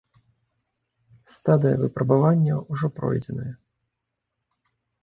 Стадыя выпрабаванняў ўжо пройдзеная.